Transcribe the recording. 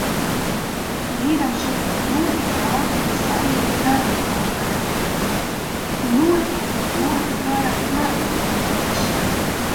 Vīram šodien ļoti daudz un svarīgas darba konferences, ļoti, ļoti gara darbadiena priekšā.